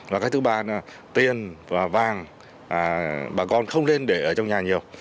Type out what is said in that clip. và cái thứ ba là tiền và vàng bà con không lên để ở trong nhà nhiều